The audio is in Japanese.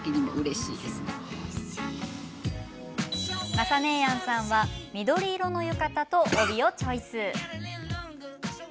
まさ姉やんさんは緑色の浴衣と帯をチョイス。